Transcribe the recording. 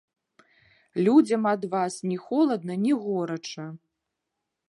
Людзям ад вас ні холадна, ні горача.